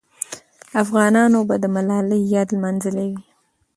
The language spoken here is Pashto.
افغانانو به د ملالۍ یاد لمانځلی وي.